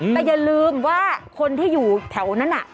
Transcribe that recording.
แต่อย่าลืมว่าคนที่อยู่แถวนั้นน่ะ